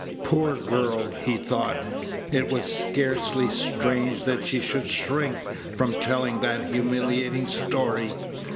"Poor girl," he thought; "it was scarcely strange that she should shrink from telling that humiliating story.